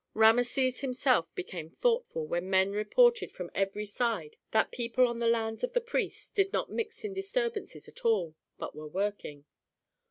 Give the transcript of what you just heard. Rameses himself became thoughtful when men reported from every side that people on the lands of the priests did not mix in disturbances at all, but were working.